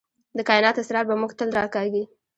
د کائنات اسرار به موږ تل راکاږي.